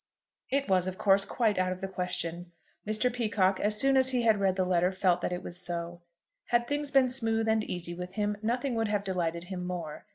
It was, of course, quite out of the question. Mr. Peacocke, as soon as he had read the letter, felt that it was so. Had things been smooth and easy with him, nothing would have delighted him more.